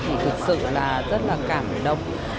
thì thực sự là rất là cảm động